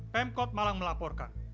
pemkot malang melaporkan